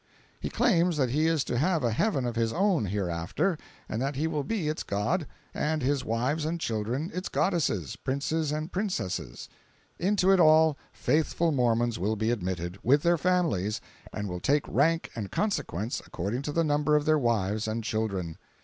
He claims that he is to have a heaven of his own hereafter, and that he will be its God, and his wives and children its goddesses, princes and princesses. Into it all faithful Mormons will be admitted, with their families, and will take rank and consequence according to the number of their wives and children.